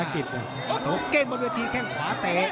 แข้งขาเตะ